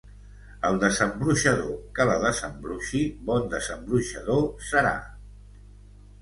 El desembruixador que la desembruixi bon desembruixador serà